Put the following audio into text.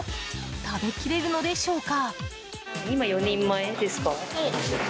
食べきれるのでしょうか。